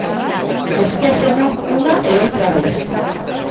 ¡Esquéceno unha e outra vez!